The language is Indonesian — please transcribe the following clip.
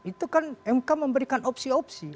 itu kan mk memberikan opsi opsi